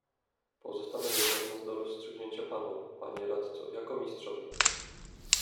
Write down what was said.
"Pozostawiam jednak nas do rozstrzygnięcia panu, panie radco, jako mistrzowi."